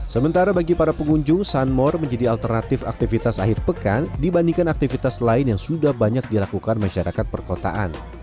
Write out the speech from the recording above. sementara bagi para pengunjung sunmore menjadi alternatif aktivitas akhir pekan dibandingkan aktivitas lain yang sudah banyak dilakukan masyarakat perkotaan